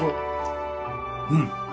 うん。